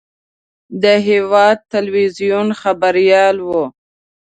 د هېواد تلویزیون خبریال و.